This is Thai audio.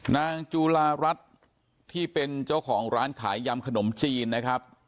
นางจุลารัฐที่เป็นเจ้าของร้านขายยำขนมจีนนะครับ